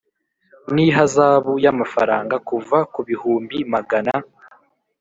N ihazabu y amafaranga kuva ku bihumbi magana